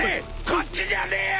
こっちじゃねえよ！